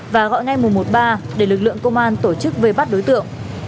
và gọi ngay mùa một ba để lực lượng công an tổ chức về bắt đối tượng